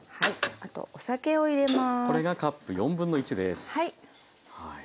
あとお酒を入れます。